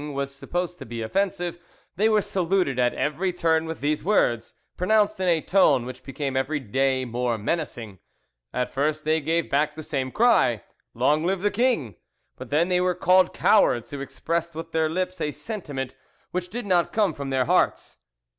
was supposed to be offensive, they were saluted at every turn with these words, pronounced in a tone which became every day more menacing. At first they gave back the same cry, "Long live the king!" but then they were called cowards who expressed with their lips a sentiment which did not come from their hearts.